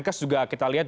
di amerika juga kita lihat